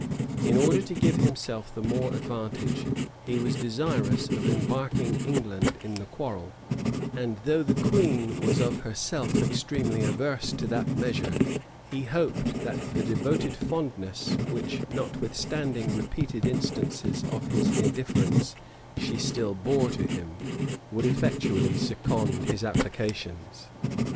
In order to give himself the more advantage, he was desirous of embarking England in the quarrel; and though the queen was of herself extremely averse to that measure, he hoped that the devoted fondness which, notwithstanding repeated instances of his indifference, she still bore to him, would effectually second his applications.